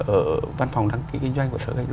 ở văn phòng đăng ký kinh doanh